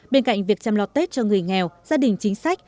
bên cạnh việc chăm lo tết cho người nghèo gia đình chính sách